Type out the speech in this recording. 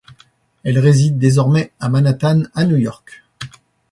Elle réside désormais à Manhattan à New York.